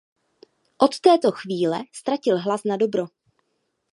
Od této chvíle ztratil hlas nadobro.